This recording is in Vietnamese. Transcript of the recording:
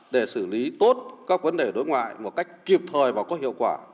để xử lý tốt các vấn đề đối ngoại một cách kịp thời và có hiệu quả